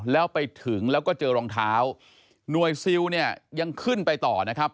แล้วไปถึงแล้วก็เจอรองเท้าหน่วยซิลเนี่ยยังขึ้นไปต่อนะครับ